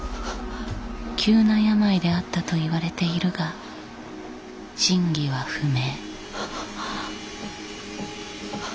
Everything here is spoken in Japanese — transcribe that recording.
急な病であったといわれているが真偽は不明。